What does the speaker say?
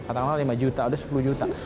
katakanlah lima juta udah sepuluh juta